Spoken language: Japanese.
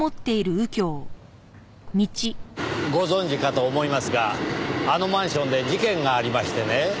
ご存じかと思いますがあのマンションで事件がありましてね。